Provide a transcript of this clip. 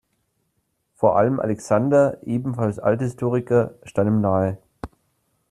Vor allem Alexander, ebenfalls Althistoriker, stand ihm nahe.